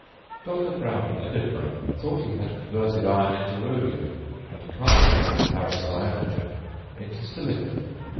Dr. Brown of Edinburgh thought he had converted iron into rhodium, and carbon or paracyanogen into silicon.